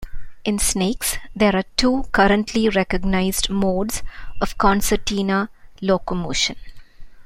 In snakes, there are two currently recognized modes of concertina locomotion.